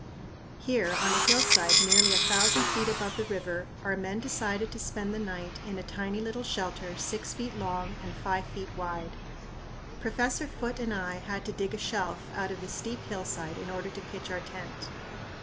Here, on a hillside nearly a thousand feet above the river, our men decided to spend the night in a tiny little shelter six feet long and five feet wide. Professor Foote and I had to dig a shelf out of the steep hillside in order to pitch our tent.